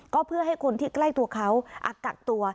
ก็เพื่อให้คนที่ใกล้ตัวเขากักตัว